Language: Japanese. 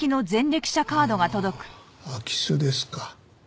ああ空き巣ですか。